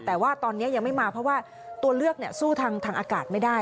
แต่ว่าตอนนี้ยังไม่มาเพราะว่าตัวเลือกสู้ทางอากาศไม่ได้